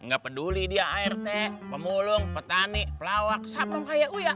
gak peduli dia art pemulung petani pelawak sapung kayak uyak